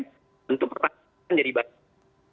tentu pertanyaan jadi banyak